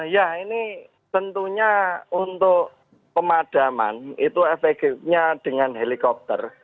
ya ini tentunya untuk pemadaman itu efeknya dengan helikopter